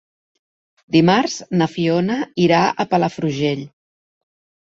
Dimarts na Fiona irà a Palafrugell.